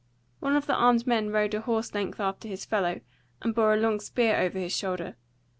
One of the armed men rode a horse length after his fellow, and bore a long spear over his shoulder.